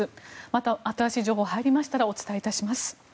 また、新しい情報が入りましたらお伝えいたします。